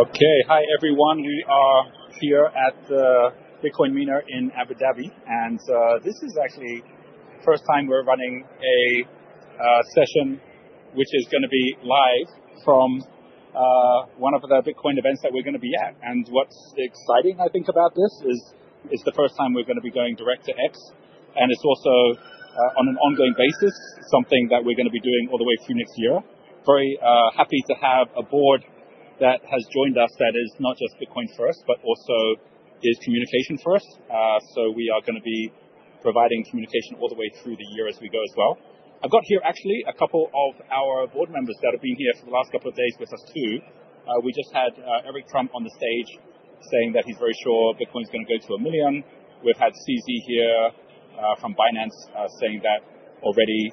Okay, hi everyone. We are here at the Bitcoin MENA in Abu Dhabi, and this is actually the first time we're running a session which is going to be live from one of the Bitcoin events that we're going to be at. And what's exciting, I think, about this is it's the first time we're going to be going direct to X, and it's also on an ongoing basis, something that we're going to be doing all the way through next year. Very happy to have a board that has joined us that is not just Bitcoin first, but also is communication first. So we are going to be providing communication all the way through the year as we go as well. I've got here actually a couple of our board members that have been here for the last couple of days with us too. We just had Eric Trump on the stage saying that he's very sure Bitcoin is going to go to a million. We've had CZ here from Binance saying that already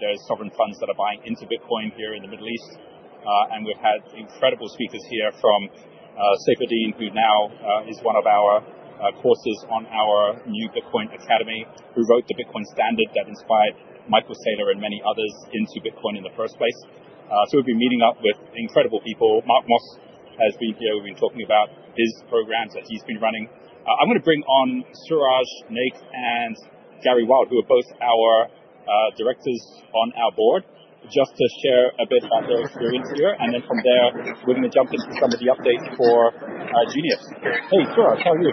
there are sovereign funds that are buying into Bitcoin here in the Middle East. We've had incredible speakers here from Saifedean, who now is one of our courses on our new Bitcoin Academy, who wrote the Bitcoin Standard that inspired Michael Saylor and many others into Bitcoin in the first place. We've been meeting up with incredible people. Mark Moss has been here. We've been talking about his programs that he's been running. I'm going to bring on Suraj Naik and Gary Wilde, who are both our directors on our Board, just to share a bit about their experience here. Then from there, we're going to jump into some of the updates for Genius. Hey, Suraj, how are you?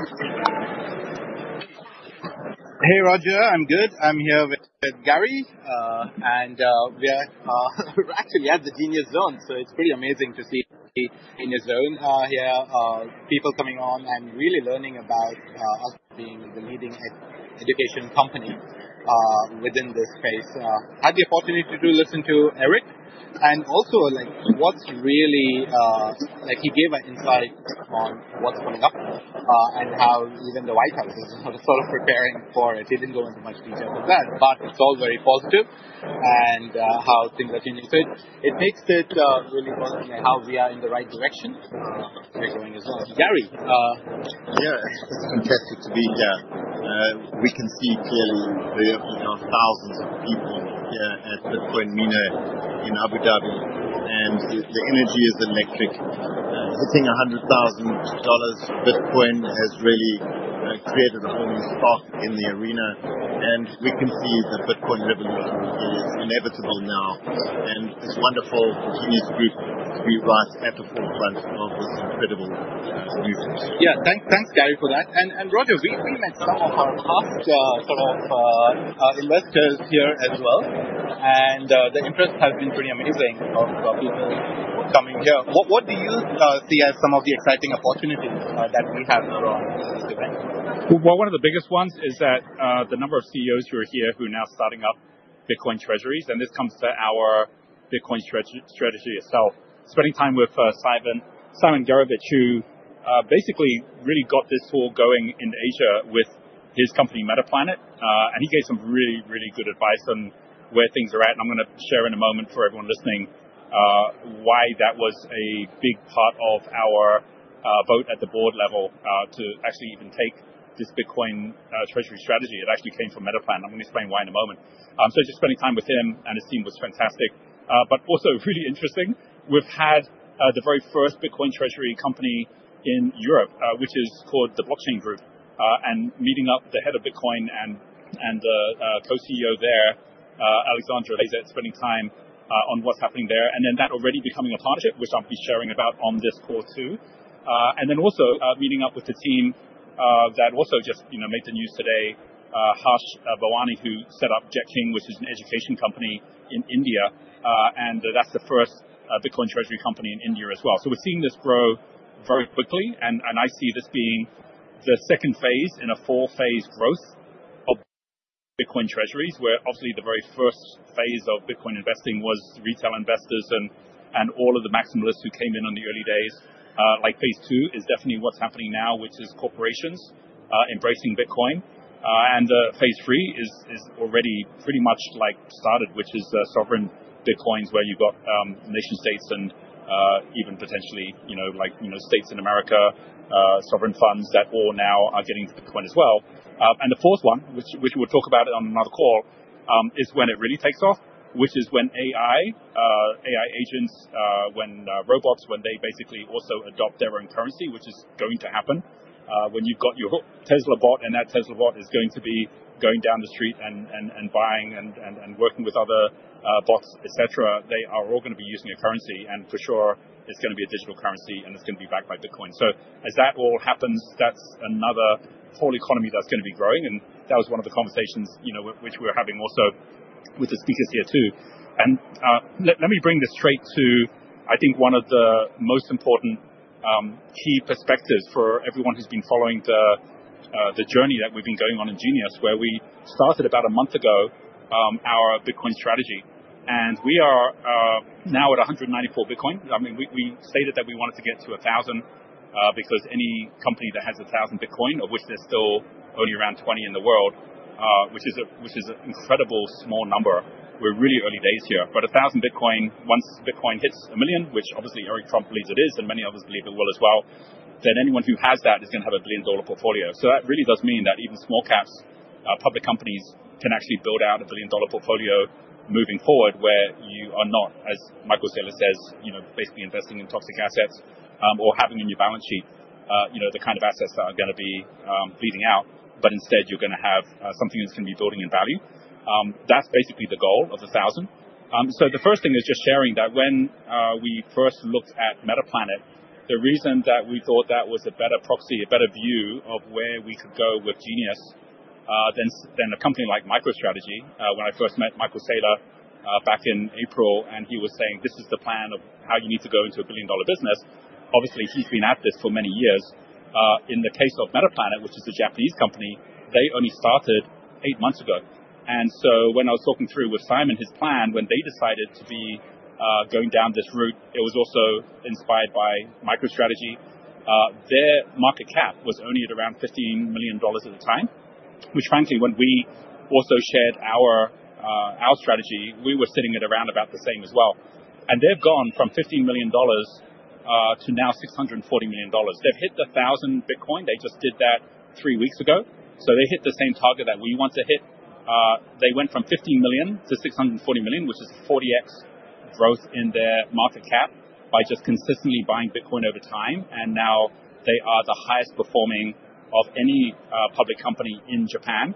Hey, Roger. I'm good. I'm here with Gary, and we're actually at the Genius Zone, so it's pretty amazing to see in the zone here people coming on and really learning about us being the leading education company within this space. I had the opportunity to listen to Eric, and also what's really like he gave an insight on what's coming up and how even the White House is sort of preparing for it. He didn't go into much detail with that, but it's all very positive, and how things are changing, so it makes it really wonderful how we are in the right direction we're going as well. Gary. Yeah, it's fantastic to be here. We can see clearly we are thousands of people here at Bitcoin MENA in Abu Dhabi, and the energy is electric. Hitting $100,000 for Bitcoin has really created a whole new spark in the arena, and we can see the Bitcoin revolution is inevitable now, and it's wonderful for Genius Group to be right at the forefront of this incredible movement. Yeah, thanks, Gary, for that. And Roger, we met some of our past sort of investors here as well, and the interest has been pretty amazing of people coming here. What do you see as some of the exciting opportunities that we have from this event? One of the biggest ones is that the number of CEOs who are here who are now starting up Bitcoin treasuries, and this comes to our Bitcoin strategy itself. Spending time with Simon Gerovich, who basically really got this tool going in Asia with his company Metaplanet, and he gave some really, really good advice on where things are at. I'm going to share in a moment for everyone listening why that was a big part of our vote at the Board level to actually even take this Bitcoin treasury strategy. It actually came from Metaplanet. I'm going to explain why in a moment. Just spending time with him and his team was fantastic, but also really interesting. We've had the very first Bitcoin treasury company in Europe, which is called The Blockchain Group, and meeting up the head of Blockchain and the co-CEO there, Alexandre Lasserre, spending time on what's happening there, and then that already becoming a partnership, which I'll be sharing about on this call too, and then also meeting up with the team that also just made the news today, Harsh Bharwani, who set up Jetking, which is an education company in India, and that's the first Bitcoin treasury company in India as well, so we're seeing this grow very quickly, and I see this being the second phase in a four-phase growth of Bitcoin treasuries, where obviously the very first phase of Bitcoin investing was retail investors and all of the maximalists who came in on the early days. Like phase two is definitely what's happening now, which is corporations embracing Bitcoin. And phase three is already pretty much like started, which is sovereign Bitcoins, where you've got nation-states and even potentially like states in America, sovereign funds that all now are getting into Bitcoin as well. And the fourth one, which we'll talk about on another call, is when it really takes off, which is when AI, AI agents, when robots, when they basically also adopt their own currency, which is going to happen. When you've got your Tesla Bot and that Tesla Bot is going to be going down the street and buying and working with other bots, et cetera, they are all going to be using a currency, and for sure it's going to be a digital currency, and it's going to be backed by Bitcoin. So as that all happens, that's another whole economy that's going to be growing, and that was one of the conversations which we were having also with the speakers here too. And let me bring this straight to, I think, one of the most important key perspectives for everyone who's been following the journey that we've been going on in Genius, where we started about a month ago our Bitcoin strategy. And we are now at 194 Bitcoin. I mean, we stated that we wanted to get to 1,000 because any company that has 1,000 Bitcoin, of which there's still only around 20 in the world, which is an incredible small number. We're really early days here. But 1,000 Bitcoin, once Bitcoin hits a million, which obviously Eric Trump believes it is, and many others believe it will as well, then anyone who has that is going to have a billion-dollar portfolio. So that really does mean that even small caps, public companies can actually build out a billion-dollar portfolio moving forward, where you are not, as Michael Saylor says, basically investing in toxic assets or having in your balance sheet the kind of assets that are going to be bleeding out, but instead you're going to have something that's going to be building in value. That's basically the goal of 1,000. So the first thing is just sharing that when we first looked at Metaplanet, the reason that we thought that was a better proxy, a better view of where we could go with Genius than a company like MicroStrategy. When I first met Michael Saylor back in April, and he was saying, this is the plan of how you need to go into a billion-dollar business. Obviously he's been at this for many years. In the case of Metaplanet, which is a Japanese company, they only started eight months ago. So when I was talking through with Simon his plan, when they decided to be going down this route, it was also inspired by MicroStrategy. Their market cap was only at around $15 million at the time, which frankly, when we also shared our strategy, we were sitting at around about the same as well. And they've gone from $15 million to now $640 million. They've hit the 1,000 Bitcoin. They just did that three weeks ago. So they hit the same target that we want to hit. They went from $15 million to $640 million, which is a 40x growth in their market cap by just consistently buying Bitcoin over time, and now they are the highest performing of any public company in Japan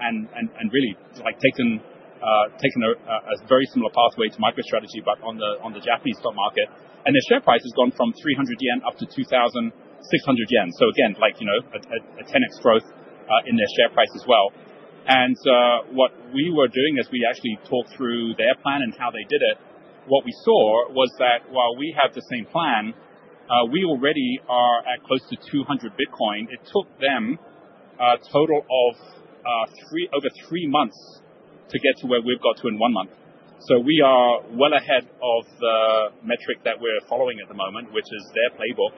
and really taken a very similar pathway to MicroStrategy, but on the Japanese stock market, and their share price has gone from 300 yen up to 2,600 yen. So again, like a 10x growth in their share price as well, and what we were doing as we actually talked through their plan and how they did it, what we saw was that while we have the same plan, we already are at close to 200 Bitcoin. It took them a total of over three months to get to where we've got to in one month, so we are well ahead of the metric that we're following at the moment, which is their playbook.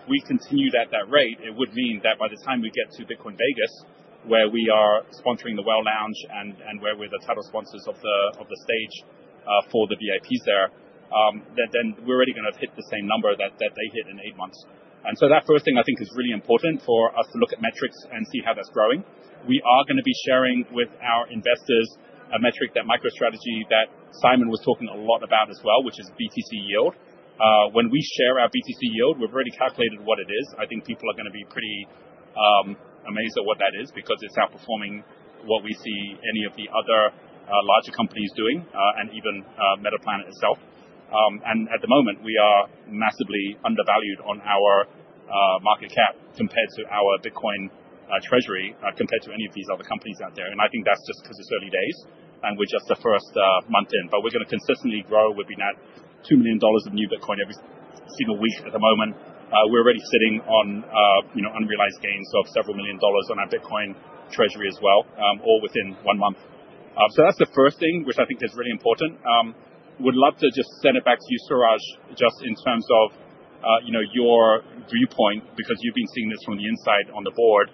If we continue at that rate, it would mean that by the time we get to Bitcoin Vegas, where we are sponsoring the Whale Lounge and where we're the title sponsors of the stage for the VIPs there, then we're already going to have hit the same number that they hit in eight months. That first thing I think is really important for us to look at metrics and see how that's growing. We are going to be sharing with our investors a metric that MicroStrategy that Simon was talking a lot about as well, which is BTC Yield. When we share our BTC Yield, we've already calculated what it is. I think people are going to be pretty amazed at what that is because it's outperforming what we see any of the other larger companies doing and even Metaplanet itself. At the moment, we are massively undervalued on our market cap compared to our Bitcoin treasury, compared to any of these other companies out there. I think that's just because it's early days and we're just the first month in. But we're going to consistently grow. We've been at $2 million of new Bitcoin every single week at the moment. We're already sitting on unrealized gains of several million dollars on our Bitcoin treasury as well, all within one month. That's the first thing, which I think is really important. Would love to just send it back to you, Suraj, just in terms of your viewpoint, because you've been seeing this from the inside on the Board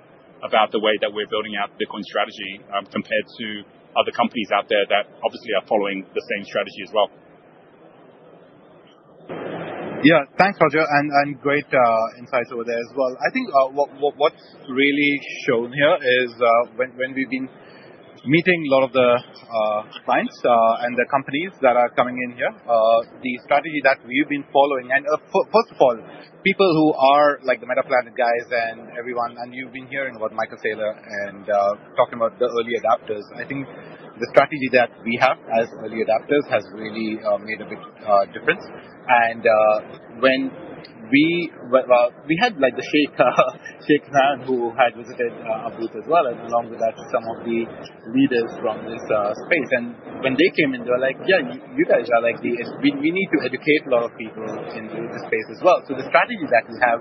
about the way that we're building out the Bitcoin strategy compared to other companies out there that obviously are following the same strategy as well. Yeah, thanks, Roger, and great insights over there as well. I think what's really shown here is when we've been meeting a lot of the clients and the companies that are coming in here, the strategy that we've been following. And first of all, people who are like the Metaplanet guys and everyone, and you've been hearing about Michael Saylor and talking about the early adopters, I think the strategy that we have as early adopters has really made a big difference. And when we had like the Sheikh Zayed who had visited our booth as well, and along with that, some of the leaders from this space. And when they came in, they were like, yeah, you guys are like the, we need to educate a lot of people into the space as well. So the strategy that we have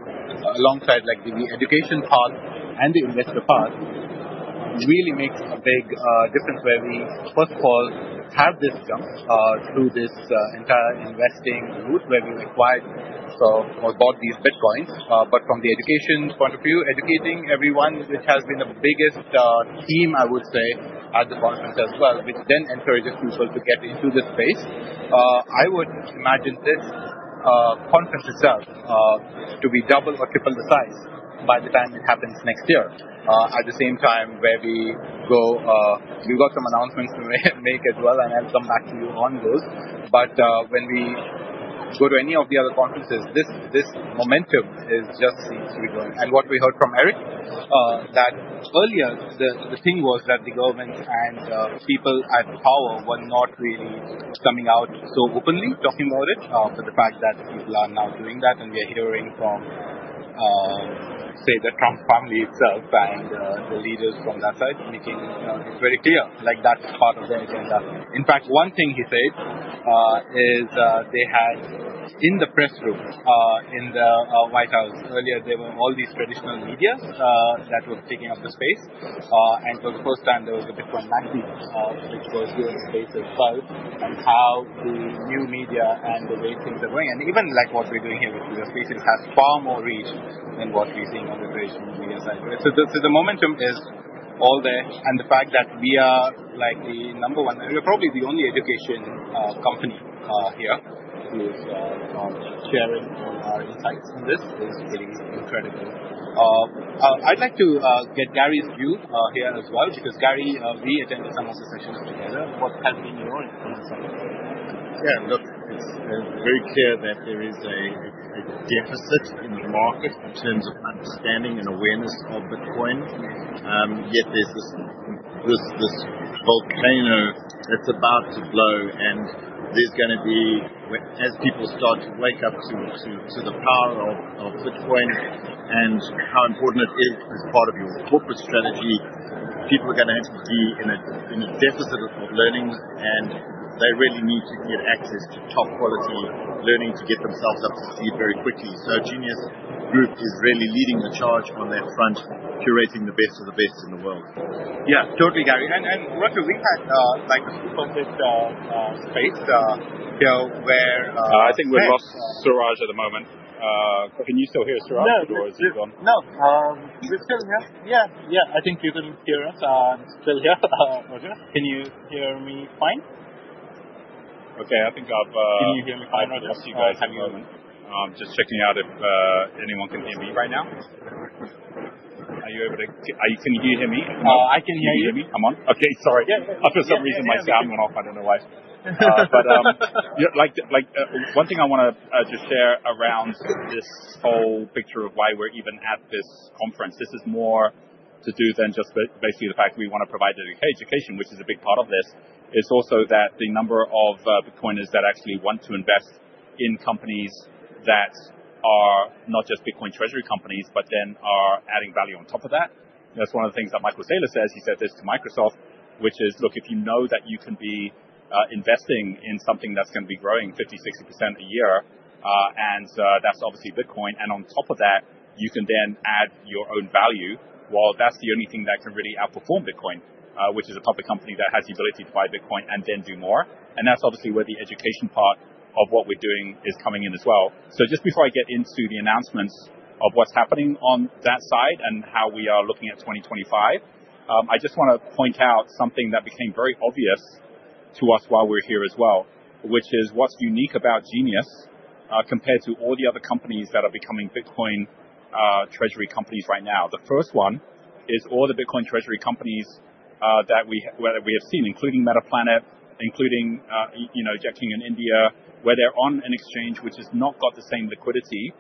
alongside the education part and the investor part really makes a big difference where we first of all have this jump through this entire investing route where we acquired or bought these Bitcoins. But from the education point of view, educating everyone, which has been the biggest theme, I would say, at the conference as well, which then encourages people to get into this space. I would imagine this conference itself to be double or triple the size by the time it happens next year. At the same time where we go, we've got some announcements to make as well, and I'll come back to you on those. But when we go to any of the other conferences, this momentum just seems to be going. And what we heard from Eric, that earlier the thing was that the government and people at power were not really coming out so openly talking about it, but the fact that people are now doing that, and we are hearing from, say, the Trump family itself and the leaders from that side making it very clear like that's part of their agenda. In fact, one thing he said is they had in the press room in the White House earlier. There were all these traditional media that were taking up the space. And for the first time, there was a Bitcoin Magazine which was doing the space as well and how the new media and the way things are going. And even like what we're doing here with the spaces has far more reach than what we're seeing on the traditional media side. So the momentum is all there. The fact that we are like the number one, we're probably the only education company here who's sharing our insights in this is really incredible. I'd like to get Gary's view here as well, because Gary, we attended some of the sessions together. What has been your insights? Yeah, look, it's very clear that there is a deficit in the market in terms of understanding and awareness of Bitcoin. Yet there's this volcano that's about to blow, and there's going to be, as people start to wake up to the power of Bitcoin and how important it is as part of your corporate strategy, people are going to be in a deficit of learning, and they really need to get access to top quality learning to get themselves up to speed very quickly. So Genius Group is really leading the charge on that front, curating the best of the best in the world. Yeah, totally, Gary. And Roger, we had like a few concepts space here where. I think we've lost Suraj at the moment. Can you still hear Suraj, or is he gone? No, we're still here. Yeah, yeah, I think you can hear us. I'm still here. Roger, can you hear me fine? Okay, I think I've. Can you hear me fine? I'm just checking out if anyone can hear me right now. Are you able to? Can you hear me? Oh, I can hear you. Can you hear me? Okay, sorry. Yeah, for some reason my sound went off. I don't know why. But one thing I want to just share around this whole picture of why we're even at this conference. This is more to do than just basically the fact that we want to provide education, which is a big part of this. It's also that the number of Bitcoiners that actually want to invest in companies that are not just Bitcoin treasury companies, but then are adding value on top of that. That's one of the things that Michael Saylor says. He said this to Microsoft, which is, look, if you know that you can be investing in something that's going to be growing 50%-60% a year, and that's obviously Bitcoin, and on top of that, you can then add your own value. Well, that's the only thing that can really outperform Bitcoin, which is a public company that has the ability to buy Bitcoin and then do more, and that's obviously where the education part of what we're doing is coming in as well. Just before I get into the announcements of what's happening on that side and how we are looking at 2025, I just want to point out something that became very obvious to us while we're here as well, which is what's unique about Genius compared to all the other companies that are becoming Bitcoin treasury companies right now. The first one is all the Bitcoin treasury companies that we have seen, including Metaplanet, including Jetking in India, where they're on an exchange which has not got the same liquidity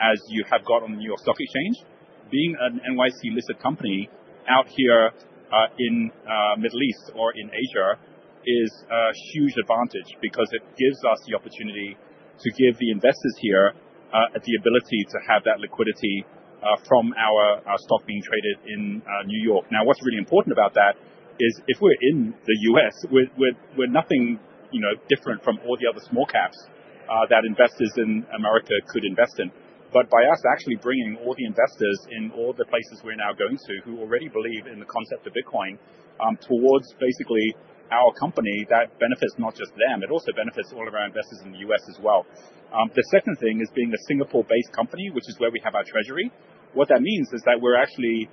as you have got on the New York Stock Exchange. Being an NYSE-listed company out here in the Middle East or in Asia is a huge advantage because it gives us the opportunity to give the investors here the ability to have that liquidity from our stock being traded in New York. Now, what's really important about that is if we're in the U.S., we're nothing different from all the other small caps that investors in America could invest in. But by us actually bringing all the investors in all the places we're now going to who already believe in the concept of Bitcoin towards basically our company, that benefits not just them, it also benefits all of our investors in the U.S. as well. The second thing is being a Singapore-based company, which is where we have our treasury. What that means is that we're actually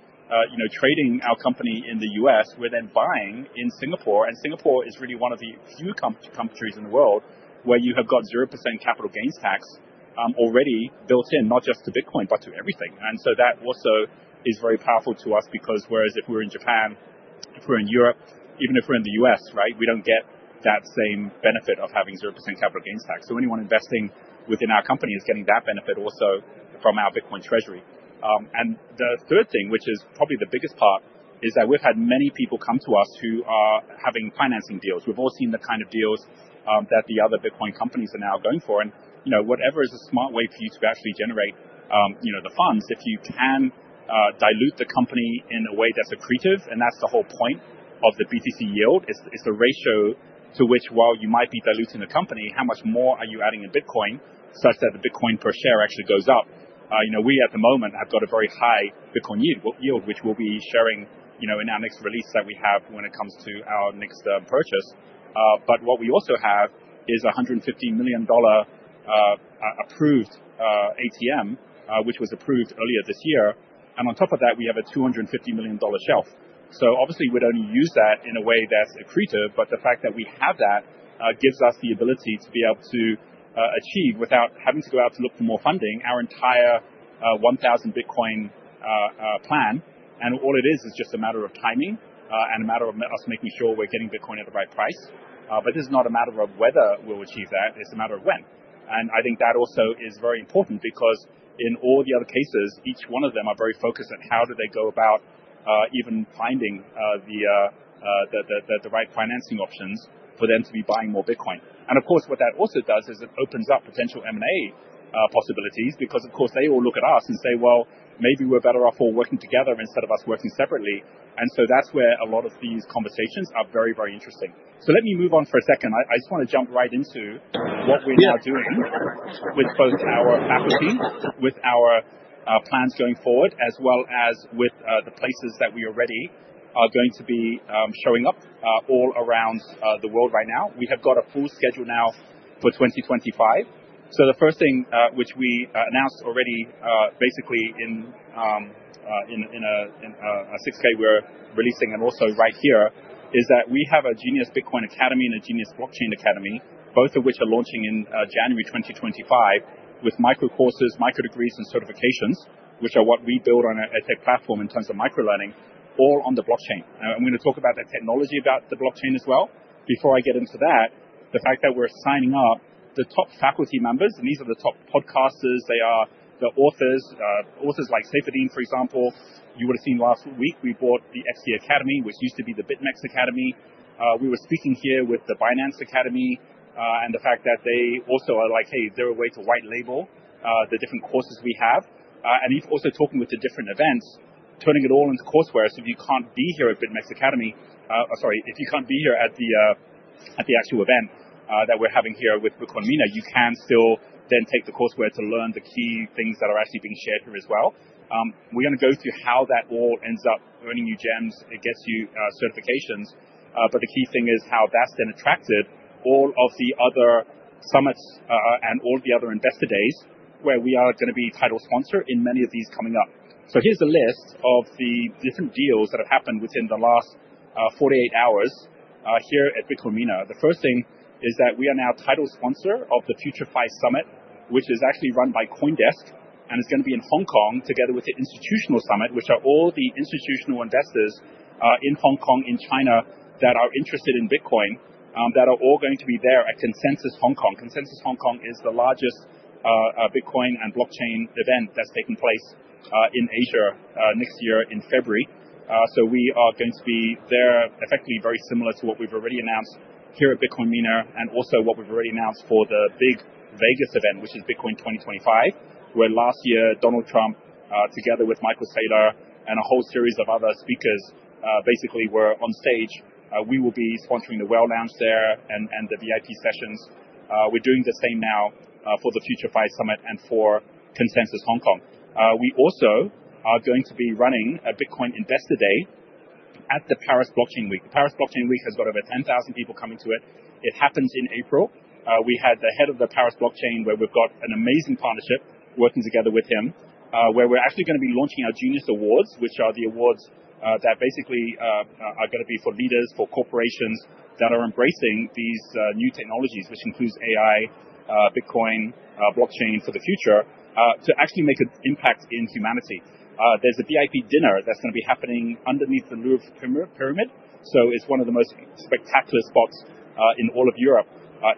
trading our company in the U.S. We're then buying in Singapore. And Singapore is really one of the few countries in the world where you have got 0% capital gains tax already built in, not just to Bitcoin, but to everything. And so that also is very powerful to us because whereas if we're in Japan, if we're in Europe, even if we're in the U.S., right, we don't get that same benefit of having 0% capital gains tax. So anyone investing within our company is getting that benefit also from our Bitcoin treasury. And the third thing, which is probably the biggest part, is that we've had many people come to us who are having financing deals. We've all seen the kind of deals that the other Bitcoin companies are now going for. And whatever is a smart way for you to actually generate the funds, if you can dilute the company in a way that's accretive, and that's the whole point of the BTC Yield. It's the ratio to which, while you might be diluting the company, how much more are you adding in Bitcoin such that the Bitcoin per share actually goes up. We at the moment have got a very high Bitcoin Yield, which we'll be sharing in our next release that we have when it comes to our next purchase. But what we also have is a $150 million approved ATM, which was approved earlier this year. And on top of that, we have a $250 million shelf. So obviously, we'd only use that in a way that's accretive, but the fact that we have that gives us the ability to be able to achieve, without having to go out to look for more funding, our entire 1,000 Bitcoin plan. And all it is is just a matter of timing and a matter of us making sure we're getting Bitcoin at the right price. But this is not a matter of whether we'll achieve that. It's a matter of when. And I think that also is very important because in all the other cases, each one of them are very focused at how do they go about even finding the right financing options for them to be buying more Bitcoin. And of course, what that also does is it opens up potential M&A possibilities because, of course, they all look at us and say, well, maybe we're better off all working together instead of us working separately. And so that's where a lot of these conversations are very, very interesting. So let me move on for a second. I just want to jump right into what we're now doing with both our faculty, with our plans going forward, as well as with the places that we already are going to be showing up all around the world right now. We have got a full schedule now for 2025. So the first thing which we announced already basically in a 6K we're releasing and also right here is that we have a Genius Bitcoin Academy and a Genius Blockchain Academy, both of which are launching in January 2025 with micro courses, micro degrees, and certifications, which are what we build on a tech platform in terms of micro learning, all on the blockchain. I'm going to talk about that technology, about the blockchain as well. Before I get into that, the fact that we're signing up the top faculty members, and these are the top podcasters. They are the authors like Saifedean, for example. You would have seen last week we bought the ex-BitMEX Academy, which used to be the BitMEX Academy. We were speaking here with the Binance Academy and the fact that they also are like, hey, is there a way to white label the different courses we have? And also talking with the different events, turning it all into courseware. So if you can't be here at BitMEX Academy, sorry, if you can't be here at the actual event that we're having here with Bitcoin MENA, you can still then take the courseware to learn the key things that are actually being shared here as well. We're going to go through how that all ends up earning you GEMs. It gets you certifications. But the key thing is how that's then attracted all of the other summits and all the other investor days where we are going to be title sponsor in many of these coming up. So here's a list of the different deals that have happened within the last 48 hours here at Bitcoin MENA. The first thing is that we are now title sponsor of the FutureFi Summit, which is actually run by CoinDesk and is going to be in Hong Kong together with the Institutional Summit, which are all the institutional investors in Hong Kong, in China that are interested in Bitcoin that are all going to be there at Consensus Hong Kong. Consensus Hong Kong is the largest Bitcoin and blockchain event that's taking place in Asia next year in February. So we are going to be there effectively very similar to what we've already announced here at Bitcoin MENA and also what we've already announced for the big Vegas event, which is Bitcoin 2025, where last year Donald Trump together with Michael Saylor and a whole series of other speakers basically were on stage. We will be sponsoring the Whale Lounge there and the VIP sessions. We're doing the same now for the FutureFi Summit and for Consensus Hong Kong. We also are going to be running a Bitcoin Investor Day at the Paris Blockchain Week. The Paris Blockchain Week has got over 10,000 people coming to it. It happens in April. We had the head of the Paris Blockchain Week where we've got an amazing partnership working together with him, where we're actually going to be launching our Genius Awards, which are the awards that basically are going to be for leaders, for corporations that are embracing these new technologies, which includes AI, Bitcoin, blockchain for the future to actually make an impact in humanity. There's a VIP dinner that's going to be happening underneath the Louvre Pyramid. So it's one of the most spectacular spots in all of Europe,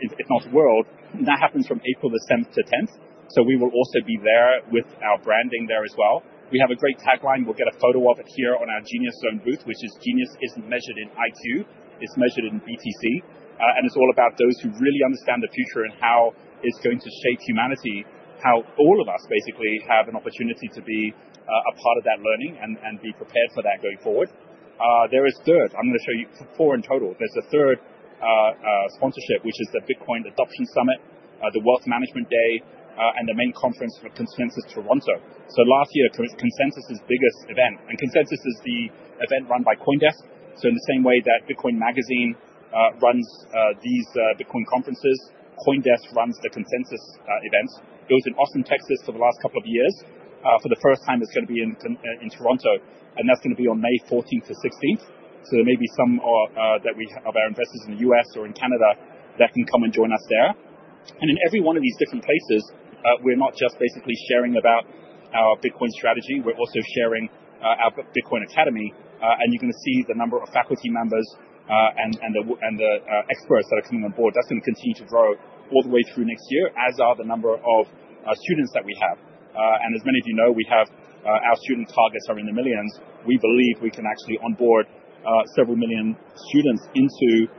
if not the world. That happens from April 7th to 10th. So we will also be there with our branding there as well. We have a great tagline. We'll get a photo of it here on our Genius Zone booth, which is "Genius isn't measured in IQ, it's measured in BTC. It's all about those who really understand the future and how it's going to shape humanity, how all of us basically have an opportunity to be a part of that learning and be prepared for that going forward. There is a third. I'm going to show you four in total. There's a third sponsorship, which is the Bitcoin Adoption Summit, the Wealth Management Day, and the main conference for Consensus Toronto. Last year, Consensus's biggest event. Consensus is the event run by CoinDesk. In the same way that Bitcoin Magazine runs these Bitcoin conferences, CoinDesk runs the Consensus event. It was in Austin, Texas for the last couple of years. For the first time, it's going to be in Toronto. That's going to be on May 14th to 16th. So there may be some of our investors in the U.S. or in Canada that can come and join us there. And in every one of these different places, we're not just basically sharing about our Bitcoin strategy. We're also sharing our Bitcoin Academy. And you're going to see the number of faculty members and the experts that are coming on board. That's going to continue to grow all the way through next year, as are the number of students that we have. And as many of you know, our student targets are in the millions. We believe we can actually onboard several million students into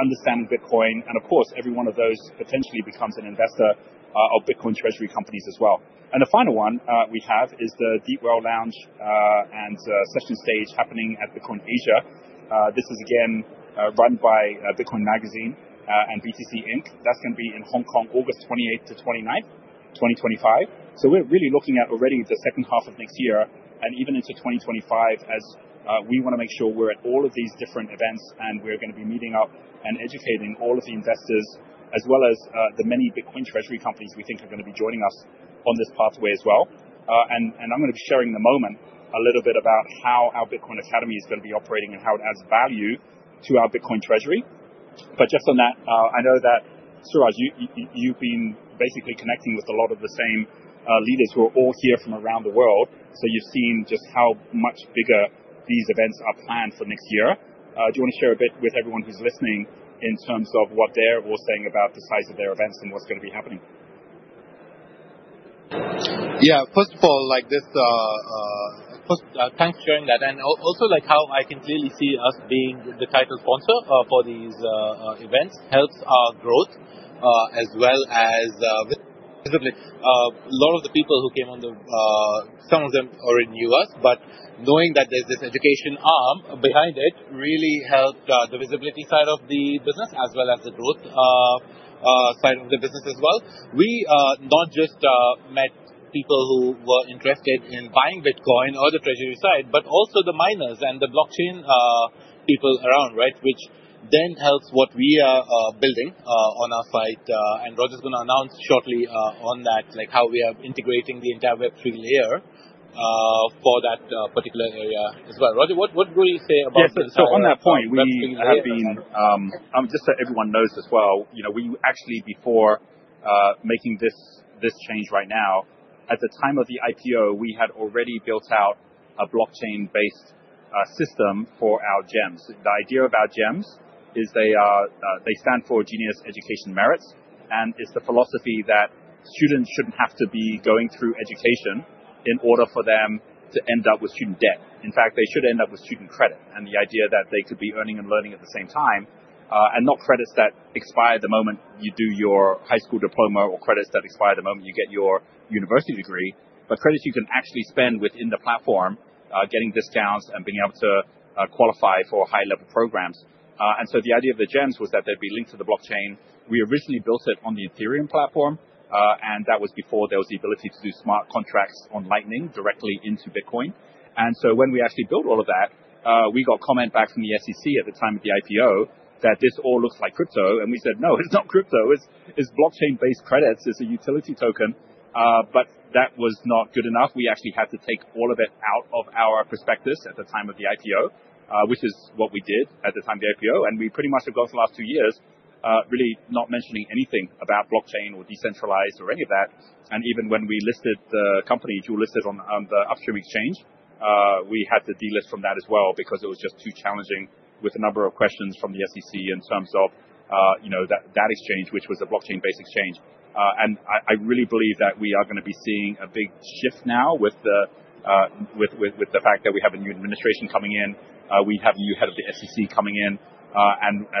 understanding Bitcoin. And of course, every one of those potentially becomes an investor of Bitcoin treasury companies as well. And the final one we have is the Deep Whale Lounge and Sessions Stage happening at Bitcoin Asia. This is again run by Bitcoin Magazine and BTC Inc. That's going to be in Hong Kong, August 28th to 29th, 2025, so we're really looking at already the second half of next year and even into 2025 as we want to make sure we're at all of these different events and we're going to be meeting up and educating all of the investors as well as the many Bitcoin treasury companies we think are going to be joining us on this pathway as well, and I'm going to be sharing in the moment a little bit about how our Bitcoin Academy is going to be operating and how it adds value to our Bitcoin treasury, but just on that, I know that Suraj, you've been basically connecting with a lot of the same leaders who are all here from around the world. You've seen just how much bigger these events are planned for next year. Do you want to share a bit with everyone who's listening in terms of what they're all saying about the size of their events and what's going to be happening? Yeah, first of all, thanks for sharing that. And also how I can clearly see us being the title sponsor for these events helps our growth as well as visibility. A lot of the people who came on the, some of them already knew us, but knowing that there's this education arm behind it really helped the visibility side of the business as well as the growth side of the business as well. We not just met people who were interested in buying Bitcoin or the treasury side, but also the miners and the blockchain people around, which then helps what we are building on our site, and Roger's going to announce shortly on that, how we are integrating the entire Web3 layer for that particular area as well. Roger, what will you say about that? Yes, so on that point, we have been, just so everyone knows as well, we actually before making this change right now, at the time of the IPO, we had already built out a blockchain-based system for our GEMs. The idea of our GEMs is they stand for Genius Education Merits, and it's the philosophy that students shouldn't have to be going through education in order for them to end up with student debt. In fact, they should end up with student credit. The idea that they could be earning and learning at the same time and not credits that expire the moment you do your high school diploma or credits that expire the moment you get your university degree, but credits you can actually spend within the platform, getting discounts and being able to qualify for high-level programs. The idea of the GEMs was that they'd be linked to the blockchain. We originally built it on the Ethereum platform. That was before there was the ability to do smart contracts on Lightning directly into Bitcoin. When we actually built all of that, we got comment back from the SEC at the time of the IPO that this all looks like crypto. We said, no, it's not crypto. It's blockchain-based credits. It's a utility token. That was not good enough. We actually had to take all of it out of our prospectus at the time of the IPO, which is what we did at the time of the IPO. And we pretty much have gone for the last two years really not mentioning anything about blockchain or decentralized or any of that. And even when we listed the company, which we listed on the upstream exchange, we had to delist from that as well because it was just too challenging with a number of questions from the SEC in terms of that exchange, which was a blockchain-based exchange. And I really believe that we are going to be seeing a big shift now with the fact that we have a new administration coming in. We have a new head of the SEC coming in.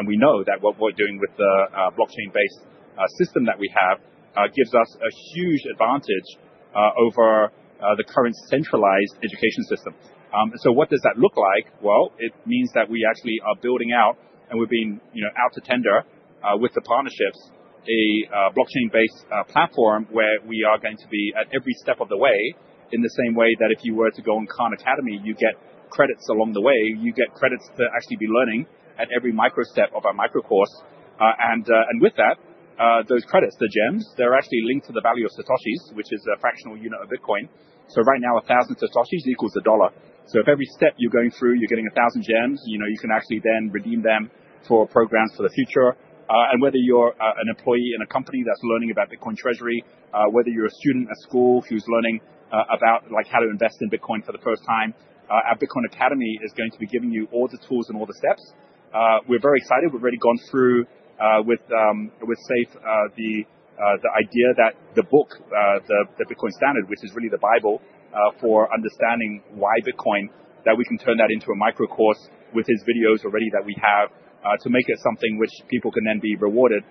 We know that what we're doing with the blockchain-based system that we have gives us a huge advantage over the current centralized education system. So what does that look like? Well, it means that we actually are building out and we've been out to tender with the partnerships a blockchain-based platform where we are going to be at every step of the way in the same way that if you were to go and Khan Academy, you get credits along the way. You get credits to actually be learning at every micro step of our micro course. And with that, those credits, the GEMs, they're actually linked to the value of Satoshis, which is a fractional unit of Bitcoin. So right now, 1,000 Satoshis equals $1. So if every step you're going through, you're getting 1,000 GEMs, you can actually then redeem them for programs for the future. Whether you're an employee in a company that's learning about Bitcoin treasury, whether you're a student at school who's learning about how to invest in Bitcoin for the first time, our Bitcoin Academy is going to be giving you all the tools and all the steps. We're very excited. We've already gone through with Saif the idea that the book, The Bitcoin Standard, which is really the Bible for understanding why Bitcoin, that we can turn that into a micro course with his videos already that we have to make it something which people can then be rewarded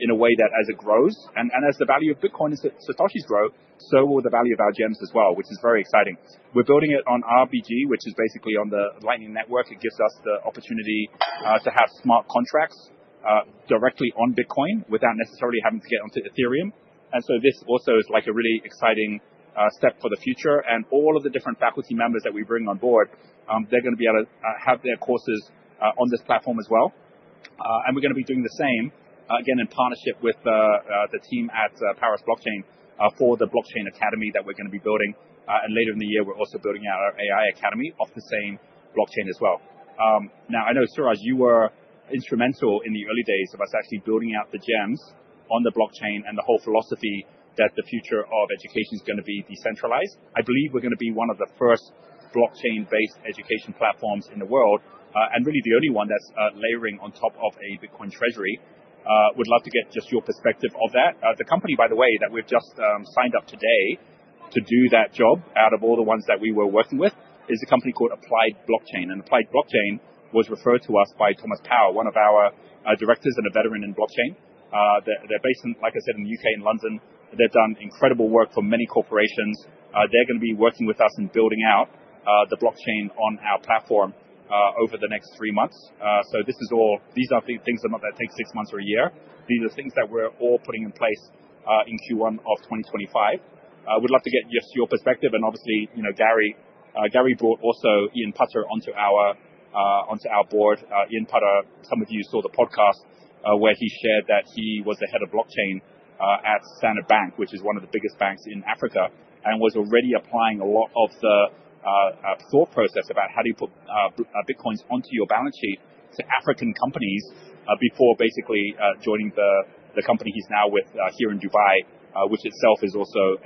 in a way that as it grows. As the value of Bitcoin and Satoshis grow, so will the value of our GEMs as well, which is very exciting. We're building it on RGB, which is basically on the Lightning Network. It gives us the opportunity to have smart contracts directly on Bitcoin without necessarily having to get onto Ethereum. And so this also is like a really exciting step for the future. And all of the different faculty members that we bring on board, they're going to be able to have their courses on this platform as well. And we're going to be doing the same again in partnership with the team at Paris Blockchain for the Blockchain Academy that we're going to be building. And later in the year, we're also building out our AI Academy off the same blockchain as well. Now, I know Suraj, you were instrumental in the early days of us actually building out the GEMs on the blockchain and the whole philosophy that the future of education is going to be decentralized. I believe we're going to be one of the first blockchain-based education platforms in the world and really the only one that's layering on top of a Bitcoin treasury. Would love to get just your perspective of that. The company, by the way, that we've just signed up today to do that job out of all the ones that we were working with is a company called Applied Blockchain, and Applied Blockchain was referred to us by Thomas Power, one of our directors and a veteran in blockchain. They're based, like I said, in the U.K., in London. They've done incredible work for many corporations. They're going to be working with us in building out the blockchain on our platform over the next three months, so these are things that might take six months or a year. These are things that we're all putting in place in Q1 of 2025. Would love to get just your perspective. And obviously, Gary, Gary brought also Ian Putter onto our Board. Ian Putter, some of you saw the podcast where he shared that he was the head of blockchain at Standard Bank, which is one of the biggest banks in Africa and was already applying a lot of the thought process about how do you put Bitcoins onto your balance sheet to African companies before basically joining the company he's now with here in Dubai, which itself is also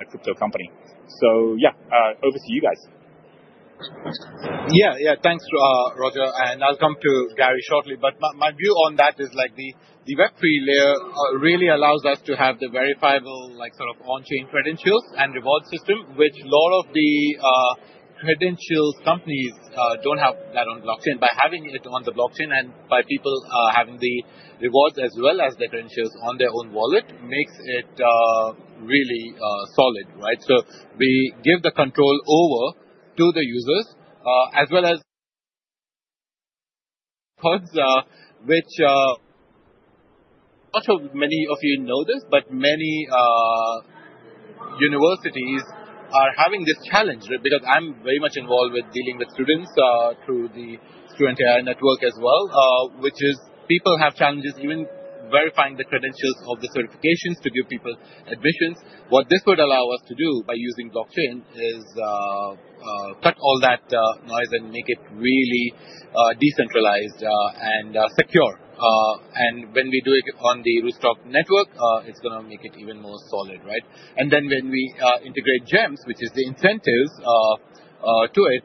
a crypto company. So yeah, over to you guys. Yeah, yeah, thanks, Roger. And I'll come to Gary shortly. But my view on that is like the Web3 layer really allows us to have the verifiable sort of on-chain credentials and reward system, which a lot of the credentials companies don't have that on blockchain. By having it on the blockchain and by people having the rewards as well as the credentials on their own wallet makes it really solid, right? We give the control over to the users as well, which many of you know this, but many universities are having this challenge because I'm very much involved with dealing with students through the Student AI network as well, which is people have challenges even verifying the credentials of the certifications to give people admissions. What this would allow us to do by using blockchain is cut all that noise and make it really decentralized and secure. When we do it on the Rootstock network, it's going to make it even more solid, right? And then when we integrate GEMs, which is the incentives to it,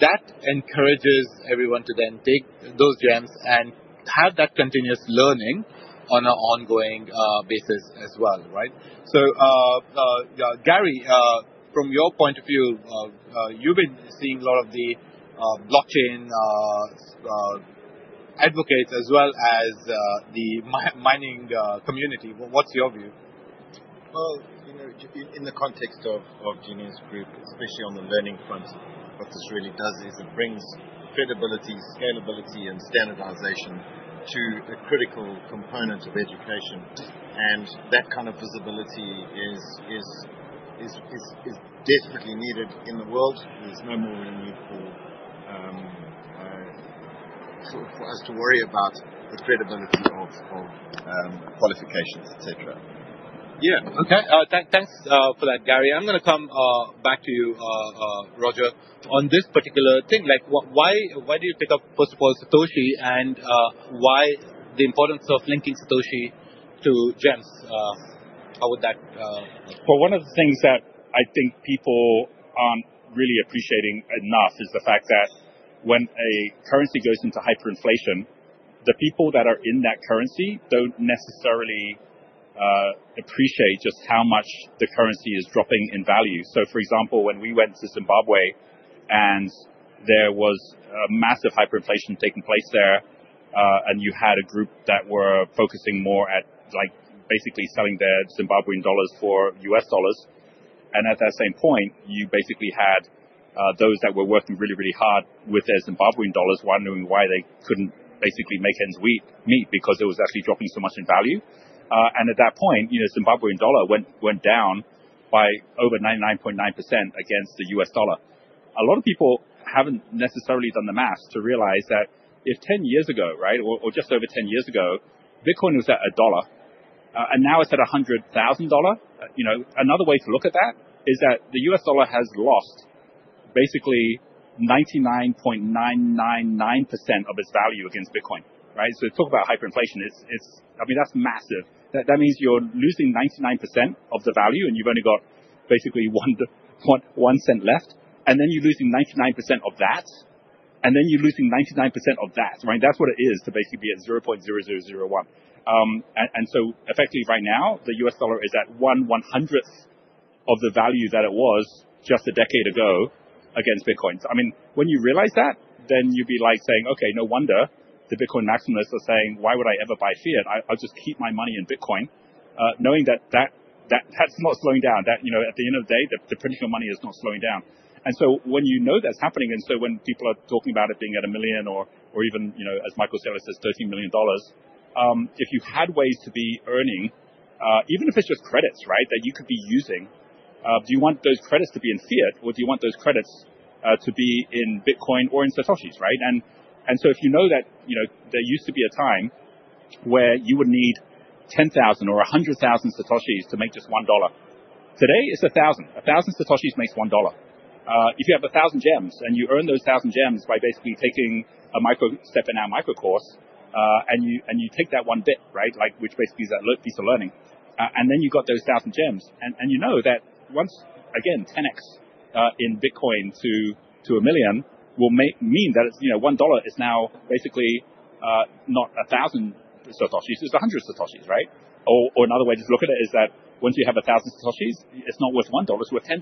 that encourages everyone to then take those GEMs and have that continuous learning on an ongoing basis as well, right? So Gary, from your point of view, you've been seeing a lot of the blockchain advocates as well as the mining community. What's your view? Well, in the context of Genius Group, especially on the learning front, what this really does is it brings credibility, scalability, and standardization to a critical component of education. And that kind of visibility is desperately needed in the world. There's no more need for us to worry about the credibility of qualifications, etc. Yeah. Okay. Thanks for that, Gary. I'm going to come back to you, Roger. On this particular thing, why do you pick up, first of all, Satoshi and why the importance of linking Satoshi to GEMs? How would that? One of the things that I think people aren't really appreciating enough is the fact that when a currency goes into hyperinflation, the people that are in that currency don't necessarily appreciate just how much the currency is dropping in value. For example, when we went to Zimbabwe and there was a massive hyperinflation taking place there and you had a group that were focusing more at basically selling their Zimbabwean dollars for US dollars. At that same point, you basically had those that were working really, really hard with their Zimbabwean dollars wondering why they couldn't basically make ends meet because it was actually dropping so much in value. At that point, Zimbabwean dollar went down by over 99.9% against the US dollar. A lot of people haven't necessarily done the math to realize that if 10 years ago, right, or just over 10 years ago, Bitcoin was at $1 and now it's at $100,000. Another way to look at that is that the US dollar has lost basically 99.999% of its value against Bitcoin, right? So talk about hyperinflation. I mean, that's massive. That means you're losing 99% of the value and you've only got basically one cent left. And then you're losing 99% of that. And then you're losing 99% of that, right? That's what it is to basically be at 0.0001. And so effectively right now, the US dollar is at one hundredth of the value that it was just a decade ago against Bitcoin. I mean, when you realize that, then you'd be like saying, okay, no wonder the Bitcoin maximalists are saying, why would I ever buy fiat? I'll just keep my money in Bitcoin knowing that that's not slowing down. At the end of the day, the printing of money is not slowing down. And so when you know that's happening, and so when people are talking about it being at a million or even, as Michael Saylor says, $13 million, if you had ways to be earning, even if it's just credits, right, that you could be using, do you want those credits to be in fiat or do you want those credits to be in Bitcoin or in Satoshis, right? And so if you know that there used to be a time where you would need 10,000 or 100,000 Satoshis to make just $1. Today, it's 1,000. 1,000 Satoshis makes $1. If you have 1,000 GEMs and you earn those 1,000 GEMs by basically taking a micro step in our micro course and you take that one bit, right, which basically is that piece of learning, and then you've got those 1,000 GEMs, and you know that once again 10x in Bitcoin to a million will mean that $1 is now basically not 1,000 Satoshis, it's 100 Satoshis, right? Or another way to look at it is that once you have 1,000 Satoshis, it's not worth $1, it's worth $10.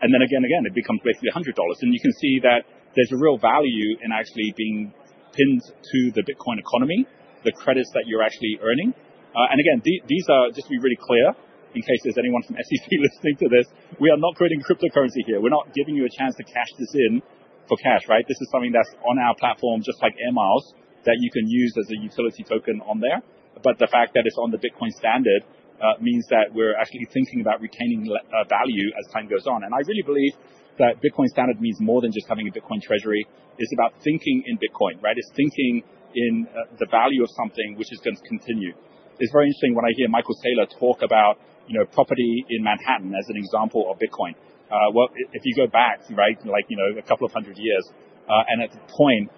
And then again, it becomes basically $100. And you can see that there's a real value in actually being pinned to the Bitcoin economy, the credits that you're actually earning. And again, these are just to be really clear in case there's anyone from SEC listening to this, we are not creating cryptocurrency here. We're not giving you a chance to cash this in for cash, right? This is something that's on our platform, just like Air Miles, that you can use as a utility token on there. But the fact that it's on the Bitcoin standard means that we're actually thinking about retaining value as time goes on. And I really believe that Bitcoin standard means more than just having a Bitcoin treasury. It's about thinking in Bitcoin, right? It's thinking in the value of something which is going to continue. It's very interesting when I hear Michael Saylor talk about property in Manhattan as an example of Bitcoin. Well, if you go back, right, like a couple of hundred years, and at the point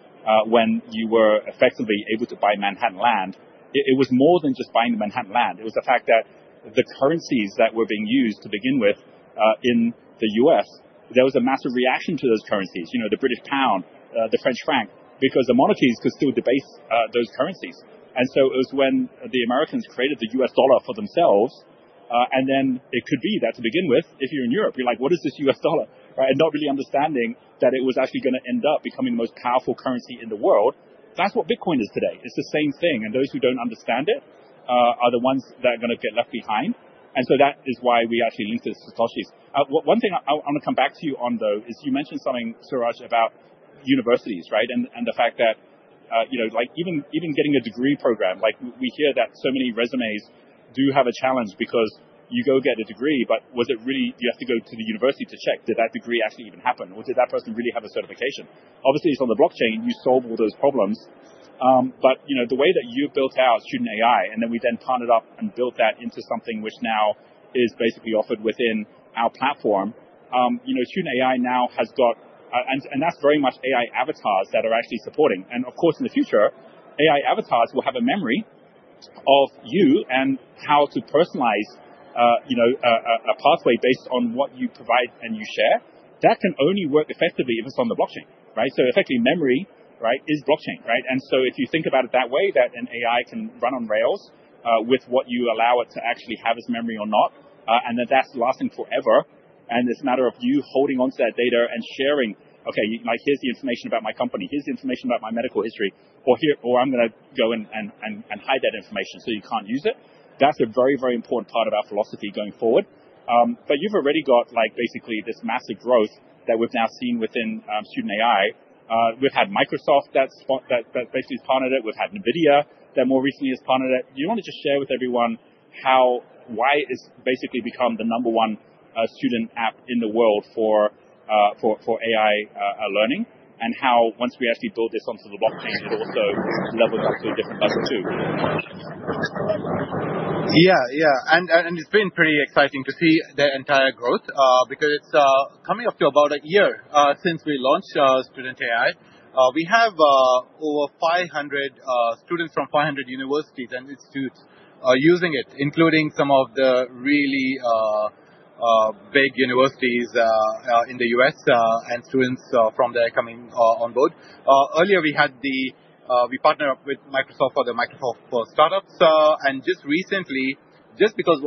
when you were effectively able to buy Manhattan land, it was more than just buying the Manhattan land. It was the fact that the currencies that were being used to begin with in the U.S., there was a massive reaction to those currencies, the British pound, the French franc, because the monarchies could still debase those currencies. And so it was when the Americans created the US dollar for themselves. And then it could be that to begin with, if you're in Europe, you're like, what is this US dollar, right? And not really understanding that it was actually going to end up becoming the most powerful currency in the world. That's what Bitcoin is today. It's the same thing. And those who don't understand it are the ones that are going to get left behind. And so that is why we actually linked it to Satoshis. One thing I want to come back to you on, though, is you mentioned something, Suraj, about universities, right? The fact that even getting a degree program, we hear that so many resumes do have a challenge because you go get a degree, but was it really? You have to go to the university to check? Did that degree actually even happen? Or did that person really have a certification? Obviously, it's on the blockchain. You solve all those problems. But the way that you've built out Student AI, and then we then partnered up and built that into something which now is basically offered within our platform, Student AI now has got, and that's very much AI avatars that are actually supporting. And of course, in the future, AI avatars will have a memory of you and how to personalize a pathway based on what you provide and you share. That can only work effectively if it's on the blockchain, right? Effectively, memory, right, is blockchain, right? And so if you think about it that way, that an AI can run on rails with what you allow it to actually have as memory or not, and then that's lasting forever. And it's a matter of you holding onto that data and sharing, okay, here's the information about my company. Here's the information about my medical history. Or I'm going to go and hide that information so you can't use it. That's a very, very important part of our philosophy going forward. But you've already got basically this massive growth that we've now seen within Student AI. We've had Microsoft that basically has partnered it. We've had NVIDIA that more recently has partnered it. Do you want to just share with everyone why it's basically become the number one student app in the world for AI learning and how once we actually build this onto the blockchain, it also levels up to a different level too? Yeah, yeah, and it's been pretty exciting to see the entire growth because it's coming up to about a year since we launched Student AI. We have over 500 students from 500 universities and institutes using it, including some of the really big universities in the U.S. and students from there coming on board. Earlier, we partnered up with Microsoft for the Microsoft Startups, and just recently, just because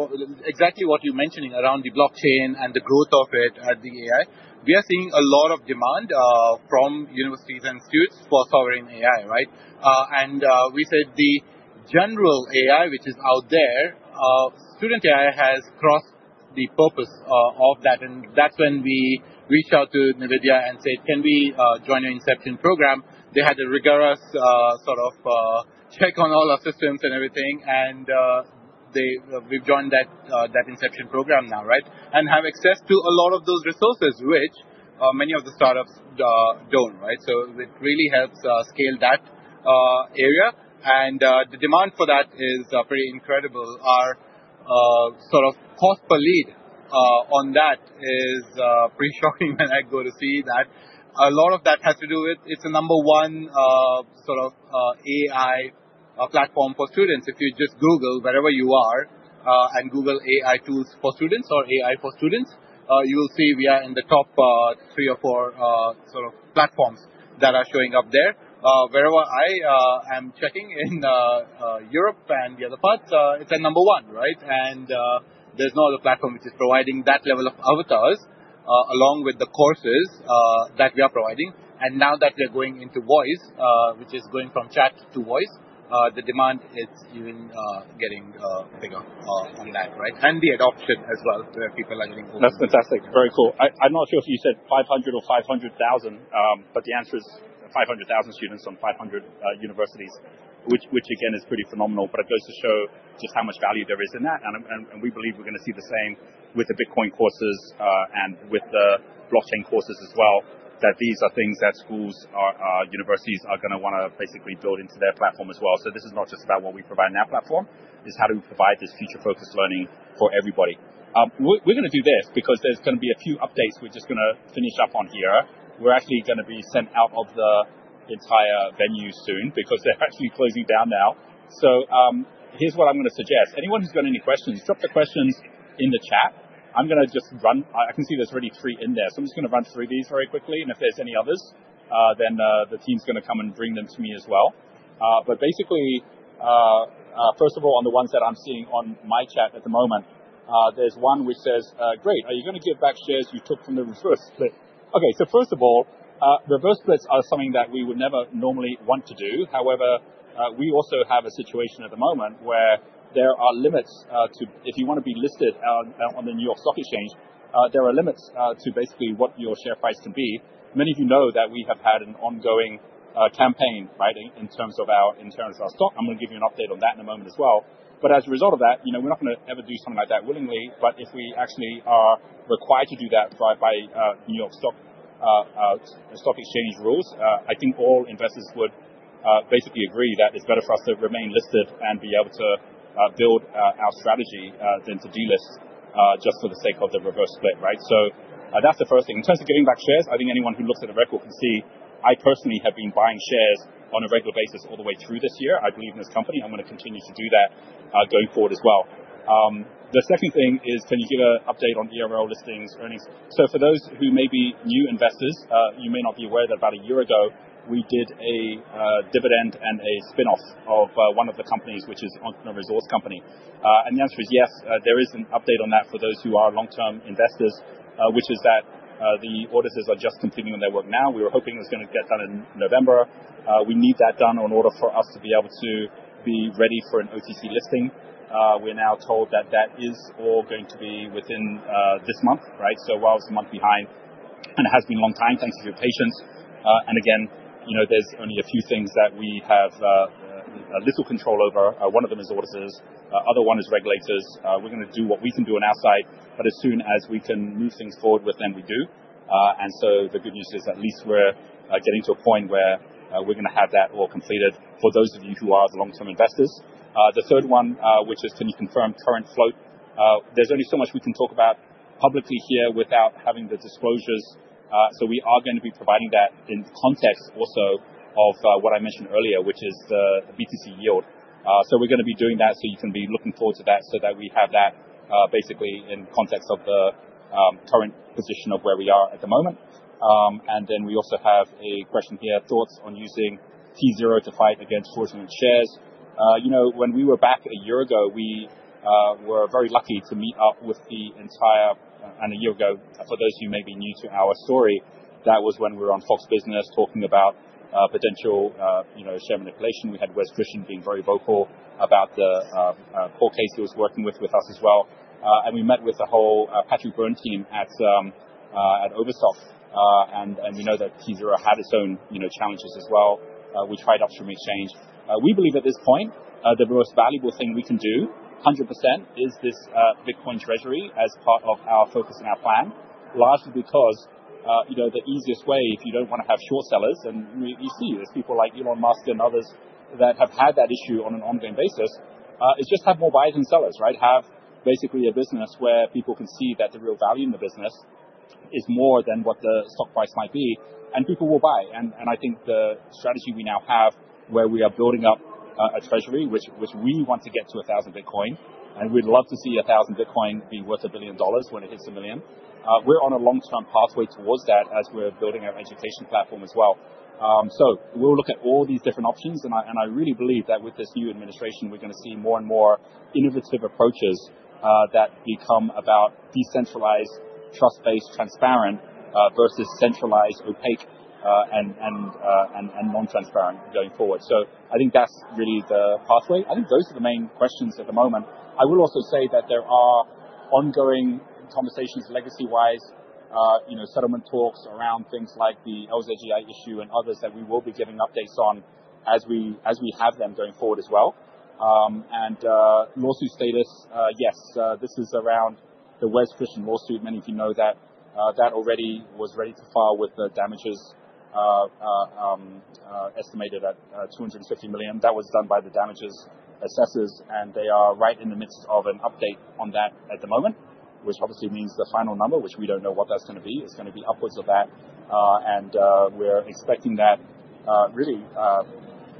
exactly what you're mentioning around the blockchain and the growth of it at the AI, we are seeing a lot of demand from universities and institutes for sovereign AI, right? We said the general AI, which is out there, Student AI has crossed the purpose of that. That's when we reached out to NVIDIA and said, can we join your Inception Program? They had a rigorous sort of check on all our systems and everything. We've joined that Inception Program now, right? Have access to a lot of those resources, which many of the startups don't, right? It really helps scale that area. The demand for that is pretty incredible. Our sort of cost per lead on that is pretty shocking when I go to see that. A lot of that has to do with it's a number one sort of AI platform for students. If you just Google wherever you are and Google AI tools for students or AI for students, you will see we are in the top three or four sort of platforms that are showing up there. Wherever I am checking in Europe and the other parts, it's a number one, right? And there's no other platform which is providing that level of avatars along with the courses that we are providing. And now that we are going into voice, which is going from chat to voice, the demand is even getting bigger on that, right? And the adoption as well where people are getting more. That's fantastic. Very cool. I'm not sure if you said 500 or 500,000, but the answer is 500,000 students on 500 universities, which again is pretty phenomenal. But it goes to show just how much value there is in that. And we believe we're going to see the same with the Bitcoin courses and with the blockchain courses as well, that these are things that schools and universities are going to want to basically build into their platform as well. So this is not just about what we provide in our platform; it's how do we provide this future-focused learning for everybody. We're going to do this because there's going to be a few updates we're just going to finish up on here. We're actually going to be sent out of the entire venue soon because they're actually closing down now. So here's what I'm going to suggest. Anyone who's got any questions, drop the questions in the chat. I'm going to just run. I can see there's already three in there. So I'm just going to run through these very quickly. If there's any others, then the team's going to come and bring them to me as well. But basically, first of all, on the ones that I'm seeing on my chat at the moment, there's one which says, great, are you going to give back shares you took from the reverse split? Okay, so first of all, reverse splits are something that we would never normally want to do. However, we also have a situation at the moment where there are limits to, if you want to be listed on the New York Stock Exchange, there are limits to basically what your share price can be. Many of you know that we have had an ongoing campaign, right, in terms of our stock. I'm going to give you an update on that in a moment as well. But as a result of that, we're not going to ever do something like that willingly. But if we actually are required to do that by New York Stock Exchange rules, I think all investors would basically agree that it's better for us to remain listed and be able to build our strategy than to delist just for the sake of the reverse split, right? So that's the first thing. In terms of giving back shares, I think anyone who looks at the record can see I personally have been buying shares on a regular basis all the way through this year. I believe in this company. I'm going to continue to do that going forward as well. The second thing is, can you give an update on our listings, earnings? So for those who may be new investors, you may not be aware that about a year ago, we did a dividend and a spinoff of one of the companies, which is Entrepreneur Resorts. And the answer is yes. There is an update on that for those who are long-term investors, which is that the auditors are just completing their work now. We were hoping it was going to get done in November. We need that done in order for us to be able to be ready for an OTC listing. We're now told that that is all going to be within this month, right? So while it's a month behind and it has been a long time, thanks for your patience. And again, there's only a few things that we have a little control over. One of them is auditors. The other one is regulators. We're going to do what we can do on our side, but as soon as we can move things forward with them, we do. And so the good news is at least we're getting to a point where we're going to have that all completed for those of you who are the long-term investors. The third one, which is, can you confirm current float? There's only so much we can talk about publicly here without having the disclosures. So we are going to be providing that in context also of what I mentioned earlier, which is the BTC Yield. So we're going to be doing that so you can be looking forward to that so that we have that basically in context of the current position of where we are at the moment. And then we also have a question here, thoughts on using tZERO to fight against fraudulent shares. When we were back a year ago, we were very lucky to meet up with the entire, and a year ago, for those who may be new to our story, that was when we were on Fox Business talking about potential share manipulation. We had Wes Christian being very vocal about the court case he was working with us as well. And we met with the whole Patrick Byrne team at Overstock. And we know that tZERO had its own challenges as well. We tried Upstream Exchange. We believe at this point, the most valuable thing we can do, 100%, is this Bitcoin treasury as part of our focus and our plan, largely because the easiest way, if you don't want to have short sellers, and you see there's people like Elon Musk and others that have had that issue on an ongoing basis, is just have more buyers and sellers, right? Have basically a business where people can see that the real value in the business is more than what the stock price might be. And people will buy. And I think the strategy we now have where we are building up a treasury, which we want to get to 1,000 Bitcoin, and we'd love to see 1,000 Bitcoin be worth $1 billion when it hits $1 million. We're on a long-term pathway towards that as we're building our education platform as well. We'll look at all these different options. And I really believe that with this new administration, we're going to see more and more innovative approaches that become about decentralized, trust-based, transparent versus centralized, opaque, and non-transparent going forward. So I think that's really the pathway. I think those are the main questions at the moment. I will also say that there are ongoing conversations, legacy-wise, settlement talks around things like the LZGI issue and others that we will be giving updates on as we have them going forward as well. And lawsuit status, yes, this is around the Wes Christian lawsuit. Many of you know that that already was ready to file with the damages estimated at $250 million. That was done by the damages assessors. And they are right in the midst of an update on that at the moment, which obviously means the final number, which we don't know what that's going to be, is going to be upwards of that. And we're expecting that really,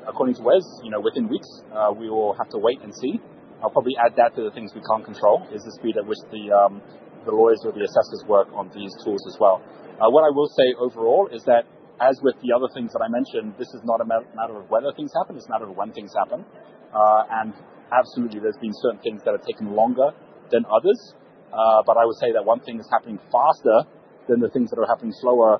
according to Wes, within weeks. We will have to wait and see. I'll probably add that to the things we can't control is the speed at which the lawyers or the assessors work on these tools as well. What I will say overall is that, as with the other things that I mentioned, this is not a matter of whether things happen. It's a matter of when things happen. And absolutely, there's been certain things that have taken longer than others. But I would say that one thing is happening faster than the things that are happening slower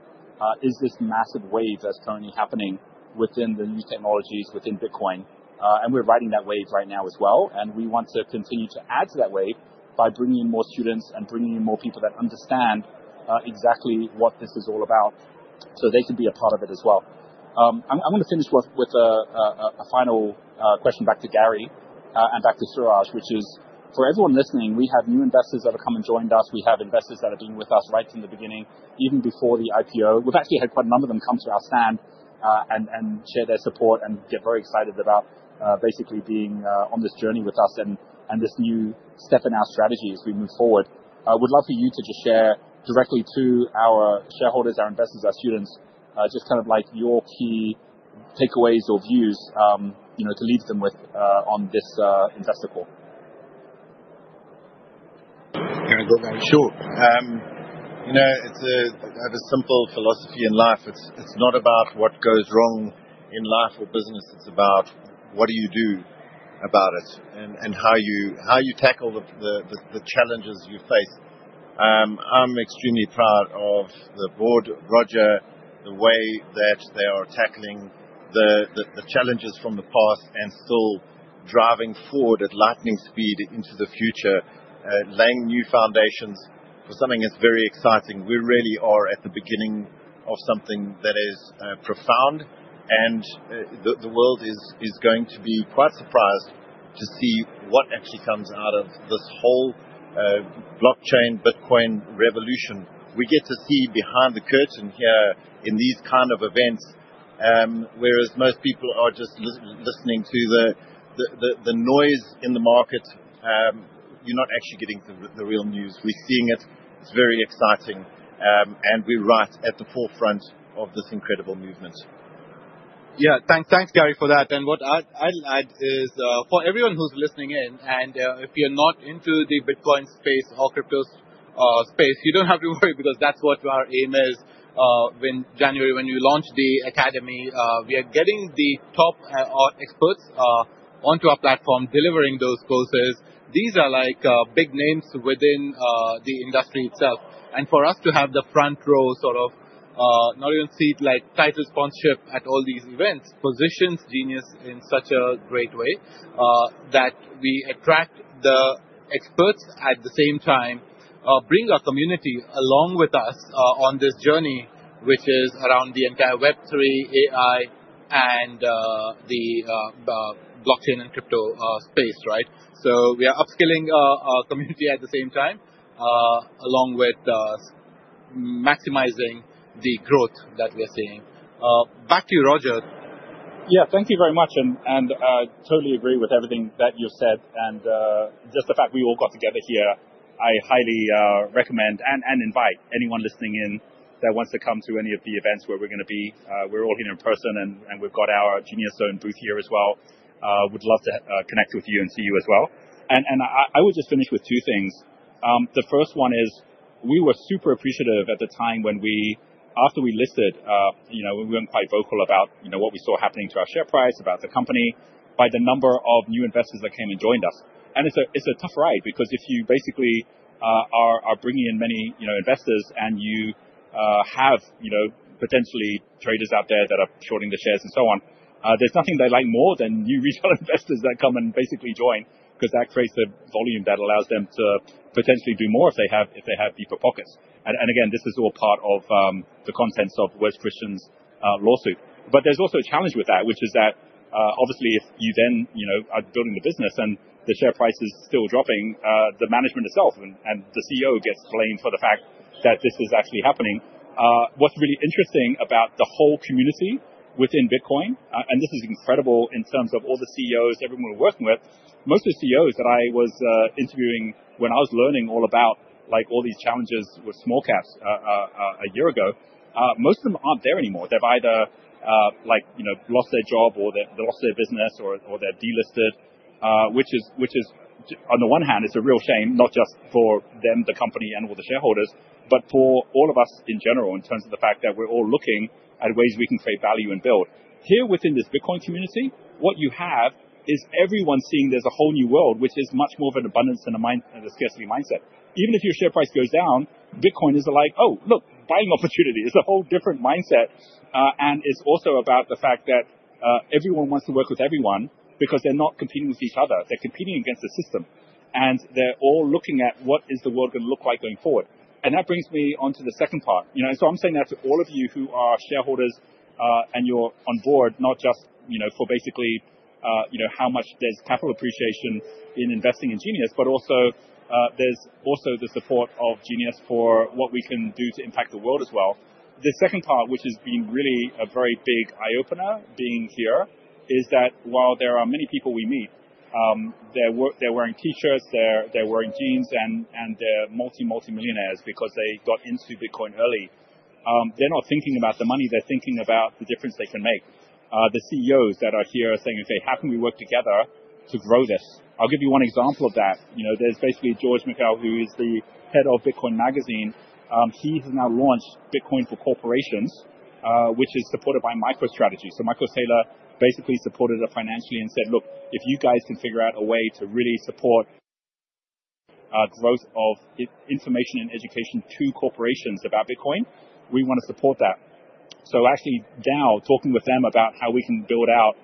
is this massive wave that's currently happening within the new technologies within Bitcoin. And we're riding that wave right now as well. And we want to continue to add to that wave by bringing in more students and bringing in more people that understand exactly what this is all about so they can be a part of it as well. I want to finish with a final question back to Gary and back to Suraj, which is, for everyone listening, we have new investors that have come and joined us. We have investors that have been with us right from the beginning, even before the IPO. We've actually had quite a number of them come to our stand and share their support and get very excited about basically being on this journey with us and this new step in our strategy as we move forward. I would love for you to just share directly to our shareholders, our investors, our students, just kind of like your key takeaways or views to leave them with on this investor call. Can I go there? Sure. You know, it's a simple philosophy in life. It's not about what goes wrong in life or business. It's about what do you do about it and how you tackle the challenges you face. I'm extremely proud of the Board, Roger, the way that they are tackling the challenges from the past and still driving forward at lightning speed into the future, laying new foundations for something that's very exciting. We really are at the beginning of something that is profound. And the world is going to be quite surprised to see what actually comes out of this whole blockchain Bitcoin revolution. We get to see behind the curtain here in these kind of events, whereas most people are just listening to the noise in the market, you're not actually getting the real news. We're seeing it. It's very exciting. And we're right at the forefront of this incredible movement. Yeah, thanks, Gary, for that. And what I'll add is, for everyone who's listening in, and if you're not into the Bitcoin space or crypto space, you don't have to worry because that's what our aim is in January when we launch the academy. We are getting the top experts onto our platform, delivering those courses. These are like big names within the industry itself. And for us to have the front row sort of not even seat like title sponsorship at all these events, positions Genius in such a great way that we attract the experts at the same time, bring our community along with us on this journey, which is around the entire Web3, AI, and the blockchain and crypto space, right? So we are upskilling our community at the same time, along with maximizing the growth that we are seeing. Back to you, Roger. Yeah, thank you very much. And I totally agree with everything that you've said. And just the fact we all got together here, I highly recommend and invite anyone listening in that wants to come to any of the events where we're going to be. We're all here in person, and we've got our Genius Zone booth here as well. Would love to connect with you and see you as well. And I would just finish with two things. The first one is we were super appreciative at the time when we, after we listed, we weren't quite vocal about what we saw happening to our share price about the company by the number of new investors that came and joined us. And it's a tough ride because if you basically are bringing in many investors and you have potentially traders out there that are shorting the shares and so on, there's nothing they like more than new retail investors that come and basically join because that creates the volume that allows them to potentially do more if they have deeper pockets. And again, this is all part of the contents of Wes Christian's lawsuit. But there's also a challenge with that, which is that obviously if you then are building the business and the share price is still dropping, the management itself and the CEO gets blamed for the fact that this is actually happening. What's really interesting about the whole community within Bitcoin, and this is incredible in terms of all the CEOs, everyone we're working with, most of the CEOs that I was interviewing when I was learning all about all these challenges with small caps a year ago, most of them aren't there anymore. They've either lost their job or they lost their business or they're delisted, which is, on the one hand, it's a real shame, not just for them, the company, and all the shareholders, but for all of us in general in terms of the fact that we're all looking at ways we can create value and build. Here within this Bitcoin community, what you have is everyone seeing there's a whole new world, which is much more of an abundance and a scarcity mindset. Even if your share price goes down, Bitcoin is like, oh, look, buying opportunity. It's a whole different mindset. It's also about the fact that everyone wants to work with everyone because they're not competing with each other. They're competing against the system. They're all looking at what is the world going to look like going forward. That brings me on to the second part. So I'm saying that to all of you who are shareholders and you're on board, not just for basically how much there's capital appreciation in investing in Genius, but also there's also the support of Genius for what we can do to impact the world as well. The second part, which has been really a very big eye-opener being here, is that while there are many people we meet, they're wearing T-shirts, they're wearing jeans, and they're multi-multi-millionaires because they got into Bitcoin early. They're not thinking about the money. They're thinking about the difference they can make. The CEOs that are here are saying, okay, how can we work together to grow this? I'll give you one example of that. There's basically George Mekhail, who is the head of Bitcoin Magazine. He has now launched Bitcoin for Corporations, which is supported by MicroStrategy. So MicroStrategy basically supported it financially and said, look, if you guys can figure out a way to really support growth of information and education to corporations about Bitcoin, we want to support that. So actually now talking with them about how we can build out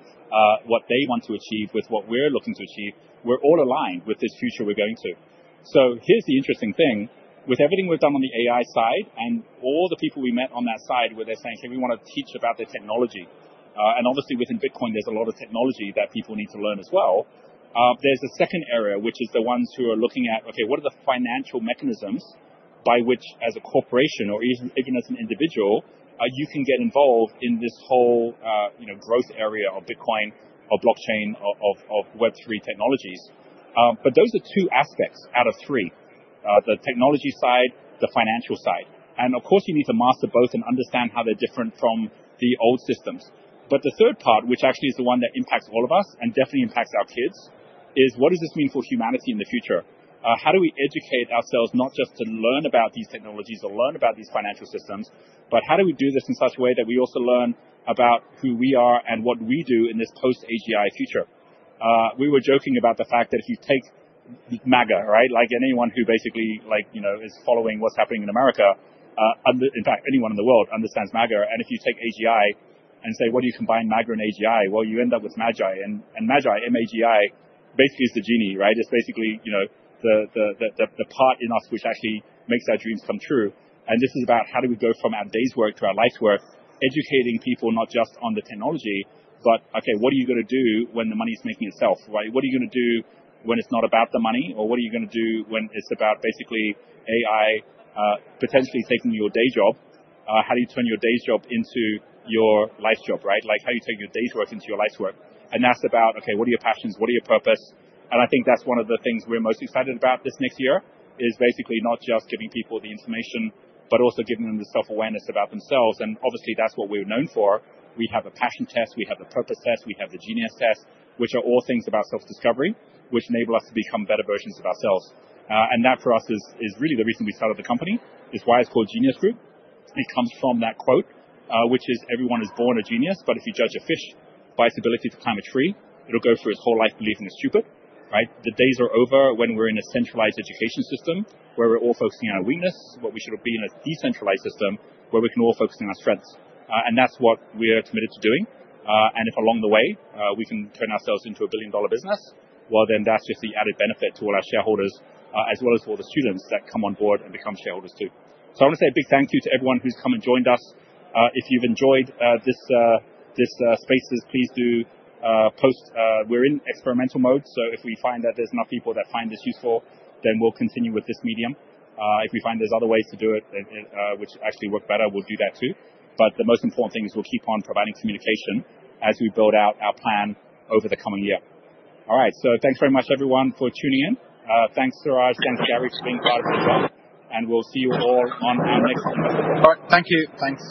what they want to achieve with what we're looking to achieve, we're all aligned with this future we're going to. So here's the interesting thing. With everything we've done on the AI side and all the people we met on that side where they're saying, hey, we want to teach about the technology. And obviously within Bitcoin, there's a lot of technology that people need to learn as well. There's a second area, which is the ones who are looking at, okay, what are the financial mechanisms by which, as a corporation or even as an individual, you can get involved in this whole growth area of Bitcoin, of blockchain, of Web3 technologies. But those are two aspects out of three: the technology side, the financial side. And of course, you need to master both and understand how they're different from the old systems. But the third part, which actually is the one that impacts all of us and definitely impacts our kids, is what does this mean for humanity in the future? How do we educate ourselves not just to learn about these technologies or learn about these financial systems, but how do we do this in such a way that we also learn about who we are and what we do in this post-AGI future? We were joking about the fact that if you take MAGA, right, like anyone who basically is following what's happening in America, in fact, anyone in the world understands MAGA. And if you take AGI and say, what do you combine MAGA and AGI? Well, you end up with MAGI. And MAGI, M-A-G-I, basically is the genie, right? It's basically the part in us which actually makes our dreams come true. And this is about how do we go from our day's work to our life's work, educating people not just on the technology, but okay, what are you going to do when the money's making itself, right? What are you going to do when it's not about the money? Or what are you going to do when it's about basically AI potentially taking your day job? How do you turn your day's job into your life's job, right? Like how do you take your day's work into your life's work? And that's about, okay, what are your passions? What are your purpose? And I think that's one of the things we're most excited about this next year is basically not just giving people the information, but also giving them the self-awareness about themselves. Obviously, that's what we're known for. We have a Passion Test. We have the Purpose Test. We have the Genius Test, which are all things about self-discovery, which enable us to become better versions of ourselves. That for us is really the reason we started the company, is why it's called Genius Group. It comes from that quote, which is, everyone is born a genius, but if you judge a fish by its ability to climb a tree, it'll go through its whole life believing it's stupid, right? The days are over when we're in a centralized education system where we're all focusing on our weakness, but we should be in a decentralized system where we can all focus on our strengths. That's what we're committed to doing. And if along the way, we can turn ourselves into a billion-dollar business, well, then that's just the added benefit to all our shareholders, as well as for the students that come on board and become shareholders too. So I want to say a big thank you to everyone who's come and joined us. If you've enjoyed this space, please do post. We're in experimental mode. So if we find that there's enough people that find this useful, then we'll continue with this medium. If we find there's other ways to do it, which actually work better, we'll do that too. But the most important thing is we'll keep on providing communication as we build out our plan over the coming year. All right, so thanks very much, everyone, for tuning in. Thanks, Suraj. Thanks, Gary, for being part of this talk. We'll see you all on our next semester. All right, thank you. Thanks.